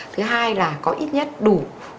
thứ hai là có ít nhất đủ